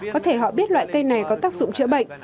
có thể họ biết loại cây này có tác dụng chữa bệnh